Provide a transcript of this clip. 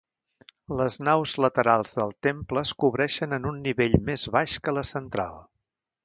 Les naus laterals del temple es cobreixen en un nivell més baix que la central.